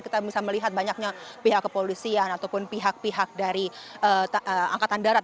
kita bisa melihat banyaknya pihak kepolisian ataupun pihak pihak dari angkatan darat